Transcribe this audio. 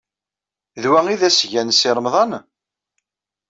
D wa ay d asga n Si Remḍan?